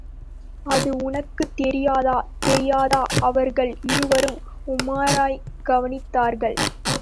அது உனக்குத் தெரியாதா? தெரியாது! அவர்கள் இருவரும் உமாரைக் கவனித்தார்கள்.